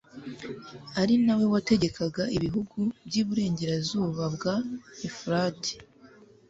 ari na we wategekaga ibihugu by'iburengerazuba bwa efurati